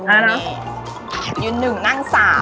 อันนี้ยืนหนึ่งนั่งสาม